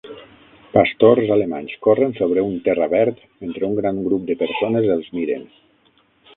Pastors alemanys corren sobre un terra verd mentre un gran grup de persones els miren.